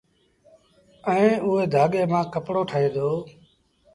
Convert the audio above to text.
ائيٚݩ اُئي ڌآڳي مآݩ ڪپڙو ٺهي دو